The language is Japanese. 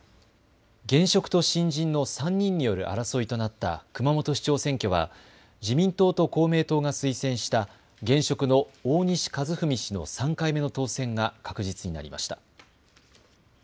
現職と新人の３人による争いとなった熊本市長選挙は自民党と公明党が推薦した現職の大西一史氏の３回目の当選が確実になりました。